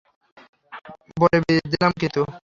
বলে দিলাম কিন্তু।